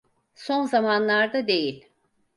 Son zamanlarda değil.